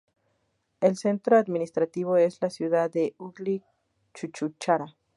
El centro administrativo es la ciudad de Hugli-Chuchura.